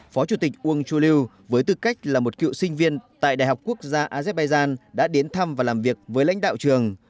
phó chủ tịch ung chuliu với tư cách là một cựu sinh viên tại đại học quốc gia azerbaijan đã đến thăm và làm việc với lãnh đạo trường